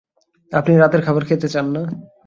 আপনি রাতের খাবার খেতে চান না?